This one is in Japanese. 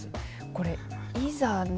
これいざね